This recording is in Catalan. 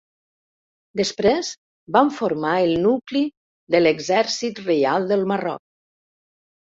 Després van formar el nucli de l'exèrcit reial del Marroc.